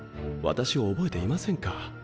私を覚えていませんか？